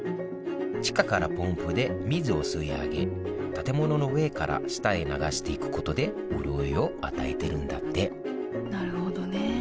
地下からポンプで水を吸い上げ建物の上から下へ流していくことで潤いを与えてるんだってなるほどね。